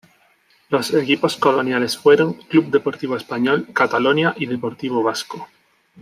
Los equipos coloniales fueron: Club Deportivo Español, Catalonia y Deportivo Vasco.